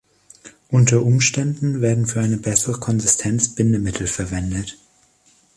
Unter Umständen werden für eine bessere Konsistenz Bindemittel verwendet.